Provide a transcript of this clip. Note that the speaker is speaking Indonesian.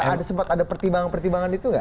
ada sempat ada pertimbangan pertimbangan itu nggak